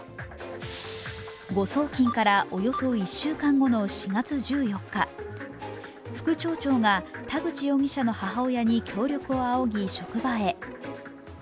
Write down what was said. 誤送金からおよそ１週間後の４月１４日、副町長が田口容疑者の母親に協力をあおぎ職場へ。